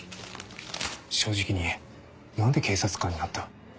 正直に言え何で警察官になった？